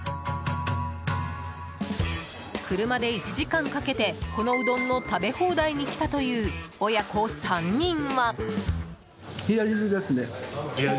車で１時間かけて、このうどんの食べ放題に来たという親子３人は。